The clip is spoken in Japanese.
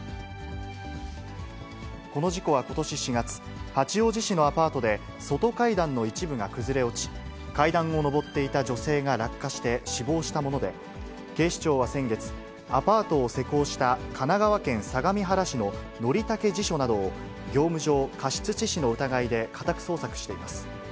この事故はことし４月、八王子市のアパートで、外階段の一部が崩れ落ち、階段を上っていた女性が落下して死亡したもので、警視庁は先月、アパートを施工した神奈川県相模原市の則武地所などを業務上過失致死の疑いで家宅捜索しています。